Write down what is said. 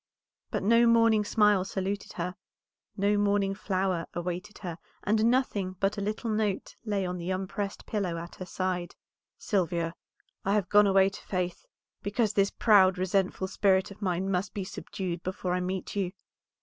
But no morning smile saluted her, no morning flower awaited her, and nothing but a little note lay on the unpressed pillow at her side. "Sylvia, I have gone away to Faith, because this proud, resentful spirit of mine must be subdued before I meet you.